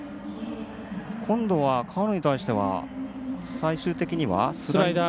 今度は河野に対しては最終的にはスライダー。